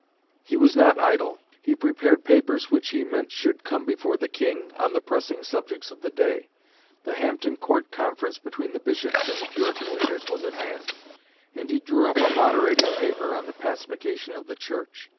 He was not idle. He prepared papers which he meant should come before the King, on the pressing subjects of the day. The Hampton Court conference between the Bishops and the Puritan leaders was at hand, and he drew up a moderating paper on the Pacification of the Church.